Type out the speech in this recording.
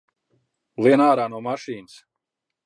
Lien ārā no mašīnas!